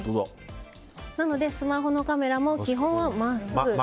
なのでスマホのカメラも基本は真っすぐ。